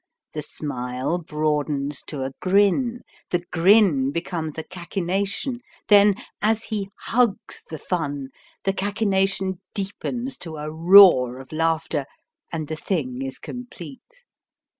The smile broadens to a grin, the grin becomes a cachinnation, then, as he hugs the fun, the cachinnation deepens to a roar of laughter, and the thing is complete.